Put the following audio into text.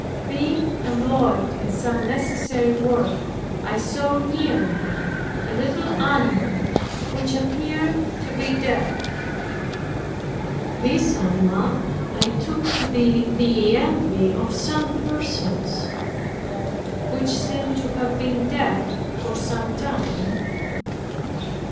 Being employed in some necessary work, I saw near me a little animal which appeared to be dead. This animal I took to be the envy of some persons, which seemed to have been dead for some time.